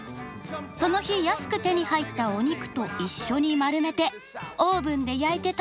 その日安く手に入ったお肉と一緒に丸めてオーブンで焼いて食べたのが始まり。